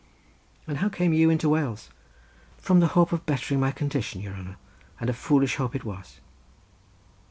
"And how came you into Wales?" "From the hope of bettering my condition, your hanner, and a foolish hope it was."